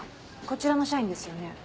こちらの社員ですよね？